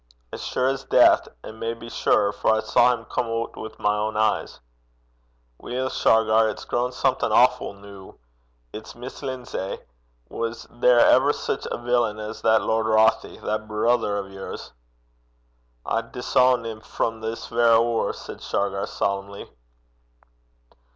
'As sure's deith, and maybe surer, for I saw him come oot wi' my ain een.' 'Weel, Shargar, it's grown something awfu' noo. It's Miss Lindsay. Was there iver sic a villain as that Lord Rothie that brither o' yours!' 'I disoun 'im frae this verra 'oor,' said Shargar solemnly.